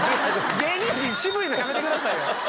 芸人陣渋いのやめてくださいよ。